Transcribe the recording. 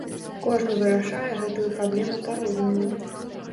Кожны вырашае гэтую праблему па-рознаму.